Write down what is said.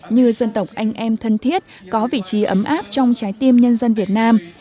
như dân tộc anh em thân thiết có vị trí ấm áp trong trái tim nhân dân việt nam